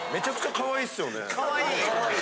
かわいい。